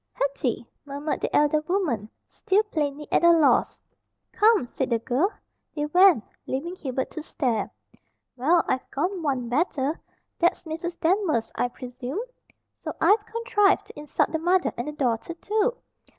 "Hetty!" murmured the elder woman, still plainly at a loss. "Come!" said the girl. They went, leaving Hubert to stare. "Well I've gone one better! That's Mrs. Danvers, I presume. So I've contrived to insult the mother and the daughter too.